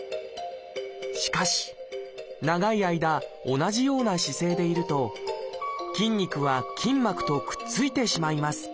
しかし長い間同じような姿勢でいると筋肉は筋膜とくっついてしまいます。